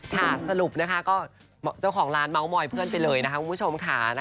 สรุปนะคะก็เจ้าของร้านเมาส์มอยเพื่อนไปเลยนะคะคุณผู้ชมค่ะ